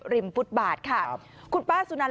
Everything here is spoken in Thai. ริมฟุตบาทค่ะคุณป้าสุนัน